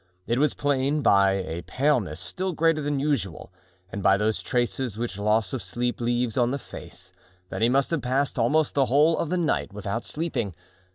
It was plain, by a paleness still greater than usual, and by those traces which loss of sleep leaves on the face, that he must have passed almost the whole of the night without sleeping.